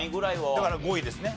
だから５位ですね。